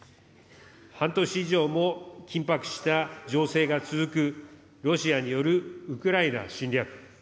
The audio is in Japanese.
半年以上も緊迫した情勢が続く、ロシアによるウクライナ侵略。